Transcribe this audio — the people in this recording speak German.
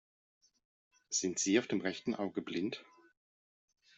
Sind sie auf dem rechten Auge blind?